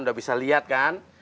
udah bisa lihat kan